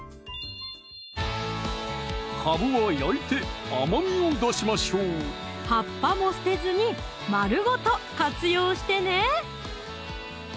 かぶは焼いて甘みを出しましょう葉っぱも捨てずに丸ごと活用してね！